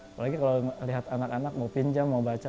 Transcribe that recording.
apalagi kalau lihat anak anak mau pinjam mau baca